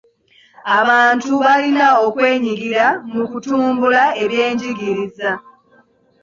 Abantu balina okwenyigira mu kutumbula ebyenjigiriza.